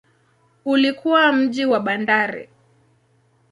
Ulikuwa mji wa bandari.